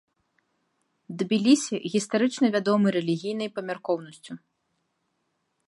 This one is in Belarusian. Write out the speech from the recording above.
Тбілісі гістарычна вядомы рэлігійнай памяркоўнасцю.